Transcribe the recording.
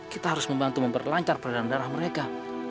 kita harus membantu memperlancar peredaran darah mereka